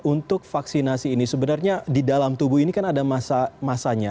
untuk vaksinasi ini sebenarnya di dalam tubuh ini kan ada masanya